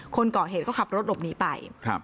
คนก่อเหตุก็ขับรถหลบหนีไป